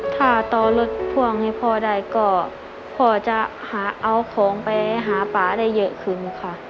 ถ้าต่อรถพ่วงให้พ่อได้ก็พ่อจะหาเอาของไปหาป่าได้เยอะขึ้นค่ะ